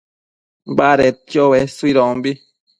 badedquio uesuidombi